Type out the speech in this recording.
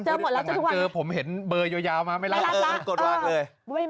เจอหมดแล้วเจอทุกวันอย่างนั้นเจอผมเห็นเบอร์ยาวมาไม่รับนะครับไม่รับ